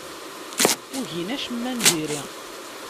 Ur gin acemma n diri.